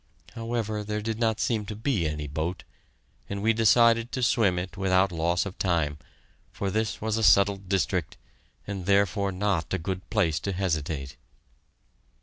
However, there did not seem to be any boat, and we decided to swim it without loss of time, for this was a settled district, and therefore not a good place to hesitate.